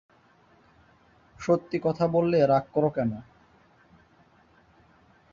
সত্যি কথা বললে রাগ কর কেন?